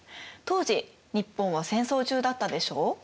当時日本は戦争中だったでしょう？